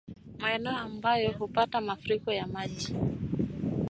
Maeneo ambayo hupata mafuriko ya maji